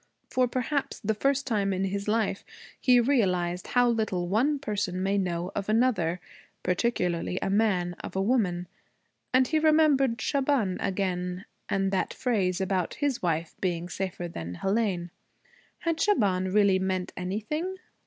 For perhaps the first time in his life he realized how little one person may know of another, particularly a man of a woman. And he remembered Shaban again, and that phrase about his wife being safer than Hélène. Had Shaban really meant anything?